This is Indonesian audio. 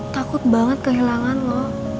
takut banget kehilangan lo